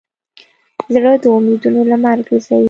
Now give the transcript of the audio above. زړه د امیدونو لمر ګرځوي.